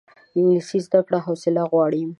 انګلیسي زده کړه حوصله غواړي